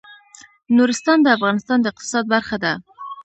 نورستان د افغانستان د اقتصاد برخه ده.